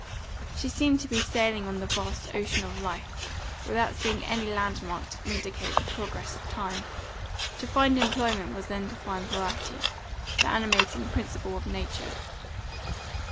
She seemed to be sailing on the vast ocean of life, without seeing any land mark to indicate the progress of time; to find employment was then to find variety, the animating principle of nature.